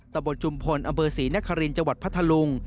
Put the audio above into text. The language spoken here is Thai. ตะบนจุมพลอำเภอศรีนครินทร์จังหวัดพัทธลุง